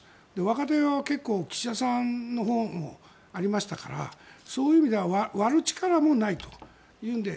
若手側は結構岸田さんのほうありましたからそういう意味では割る力もないというので。